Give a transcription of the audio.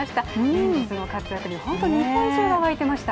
連日の活躍に、本当に日本中が沸いていました。